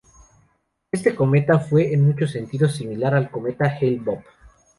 Este cometa fue en muchos sentidos similar al cometa Hale-Bopp.